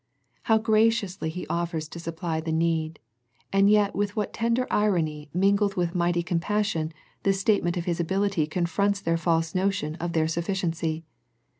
How graciously He offers to supply the need, and yet with what tender irony mingled with mighty compassion this statement of His ability confronts their false notion of their sufficiency.